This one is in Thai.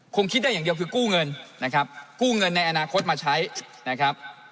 คงคิดได้อย่างเดียวคือกู้เงินนะครับกู้เงินในอนาคตมาใช้นะครับ